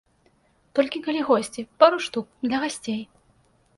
Толькі калі госці, пару штук, для гасцей.